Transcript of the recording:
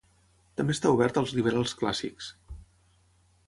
També està obert als liberals clàssics.